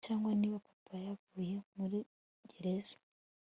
cyangwa niba papa yavuye muri gereza